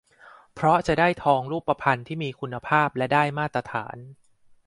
เพราะจะได้ทองรูปพรรณที่มีคุณภาพและได้มาตรฐาน